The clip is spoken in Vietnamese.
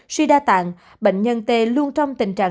suy đa tạng bệnh nhân t luôn trong tình trạng